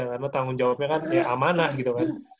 karena tanggung jawabnya kan amanah gitu kan